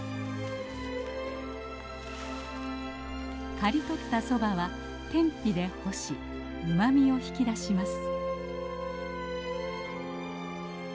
刈り取ったソバは天日で干しうまみを引き出します。